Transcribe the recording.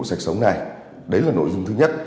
điều sống này đấy là nội dung thứ nhất